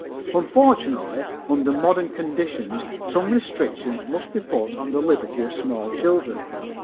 Unfortunately, under modern conditions some restrictions must be put on the liberty of small children.